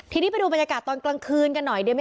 ทีนี้ไปดูบรรยากาศตอนกลางคืนกันหน่อยดีไหมค